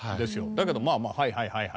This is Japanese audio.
だけどまあまあ「はいはいはいはい」。